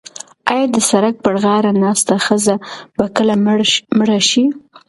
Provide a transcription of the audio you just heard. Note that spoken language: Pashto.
ایا د سړک پر غاړه ناسته ښځه به کله مړه شي؟